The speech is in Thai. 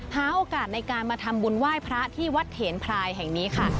หาโอกาสในการมาทำบุญไหว้พระที่วัดเถนพรายแห่งนี้ค่ะ